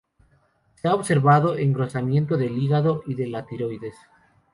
Se ha observado engrosamiento del hígado y de la tiroides.